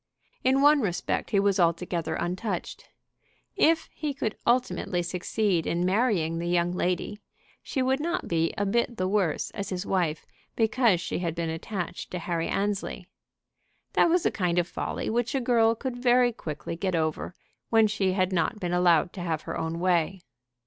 In one respect he was altogether untouched. If he could ultimately succeed in marrying the young lady, she would not be a bit the worse as his wife because she had been attached to Harry Annesley. That was a kind of folly which a girl could very quickly get over when she had not been allowed to have her own way.